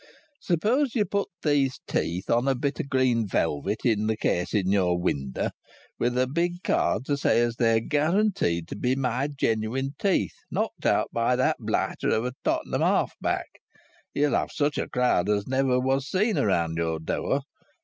Supposing you put these teeth on a bit of green velvet in the case in your window, with a big card to say as they're guaranteed to be my genuine teeth, knocked out by that blighter of a Tottenham half back, you'll have such a crowd as was never seen around your door.